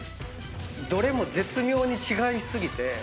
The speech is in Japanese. どれも絶妙に違い過ぎて。